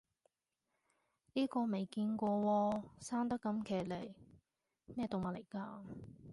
呢個未見過喎，生得咁奇離，咩動物嚟㗎